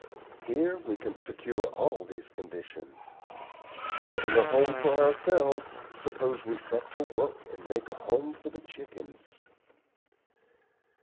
Here we can secure all these conditions. Having a home for ourselves, suppose we set to work to make a home for the chickens."